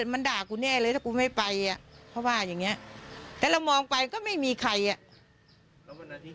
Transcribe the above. มันด่ากูแน่เลยถ้ากูไม่ไปอ่ะเขาว่าอย่างเงี้ยแต่เรามองไปก็ไม่มีใครอ่ะ